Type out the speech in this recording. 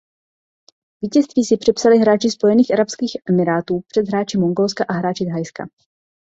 Vítězství si připsali hráči Spojených arabských emirátů před hráči Mongolska a hráči Thajska.